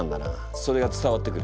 それが伝わってくる。